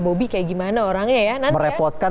bobi kayak gimana orangnya ya nanti merepotkan